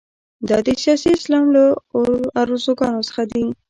دا د سیاسي اسلام له ارزوګانو څخه دي.